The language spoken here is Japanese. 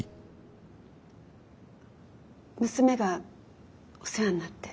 娘がお世話になって。